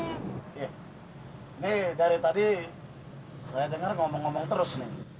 ini dari tadi saya dengar ngomong ngomong terus nih